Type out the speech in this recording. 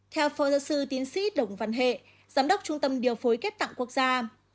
theo phó giáo sư tiến sĩ đồng văn hệ giám đốc trung tâm điều phối kết tặng quốc gia